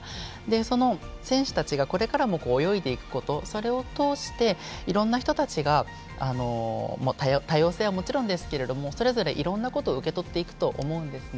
その選手たちが、これからも泳いでいくことそれを通していろんな人たちが多様性はもちろんですけれどもそれぞれいろんなことを受け取っていくと思うんですね。